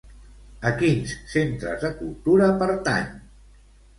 A quins centres de cultura pertany?